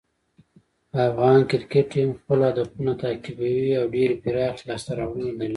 افغان کرکټ ټیم خپل هدفونه تعقیبوي او ډېرې پراخې لاسته راوړنې لري.